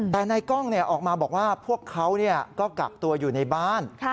แต่นายกล้องออกมาบอกว่าพวกเขาก็กักตัวอยู่ในบ้าน